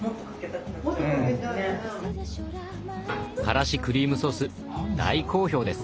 からしクリームソース大好評です。